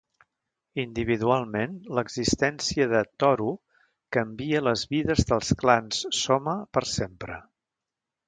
Individualment, l'existència de Tohru canvia les vides dels clans Sohma per sempre.